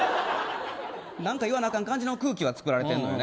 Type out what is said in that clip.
何か言わなあかん感じの空気は作られてるんよね。